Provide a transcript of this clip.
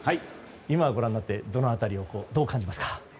今のご覧になってどの辺りがどう感じますか？